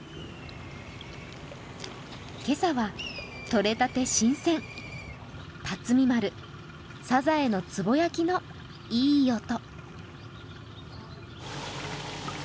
今朝はとれたて新鮮、竜海丸サザエのつぼ焼きのいい音。